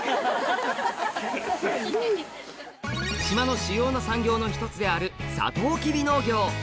島の主要な産業の１つであるサトウキビ農業